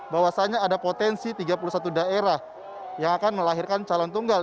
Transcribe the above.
bahwasannya ada potensi tiga puluh satu daerah yang akan melahirkan calon tunggal